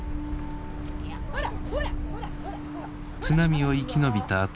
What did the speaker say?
津波を生き延びた